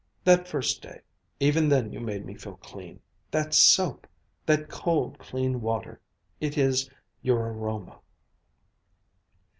"That first day even then you made me feel clean that soap! that cold, clean water it is your aroma!"